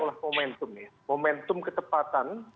oleh momentum ya momentum ketepatan